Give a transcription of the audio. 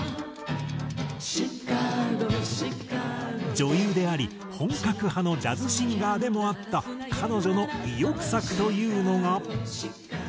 女優であり本格派のジャズシンガーでもあった彼女の意欲作というのが。